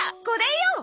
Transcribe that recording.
これよ。